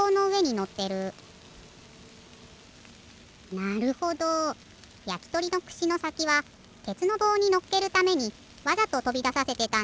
なるほどやきとりのくしのさきはてつのぼうにのっけるためにわざととびださせてたんだ。